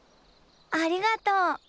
ありがとう。